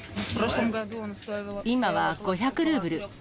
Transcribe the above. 今は５００ルーブル。